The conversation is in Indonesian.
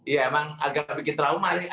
ya emang agak bikin trauma ya